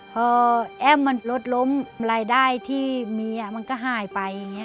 พอแอ้มมันลดล้มรายได้ที่มีมันก็หายไป